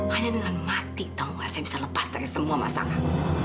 hanya dengan mati tahu gak saya bisa lepas dari semua masangan